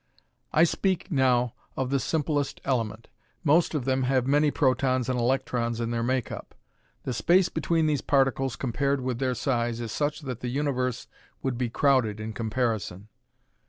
I speak now of the simplest element. Most of them have many protons and electrons in their make up. The space between these particles compared with their size is such that the universe would be crowded in comparison."